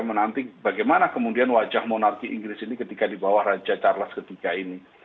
menanti bagaimana kemudian wajah monarki inggris ini ketika di bawah raja charles iii ini